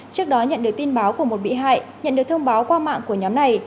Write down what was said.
trước đó nhận được tin báo của một bị hại nhận được thông báo qua mạng của nhóm này